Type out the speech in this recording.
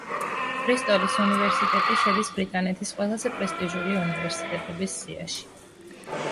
ბრისტოლის უნივერსიტეტი შედის ბრიტანეთის ყველაზე პრესტიჟული უნივერსიტეტების სიაში.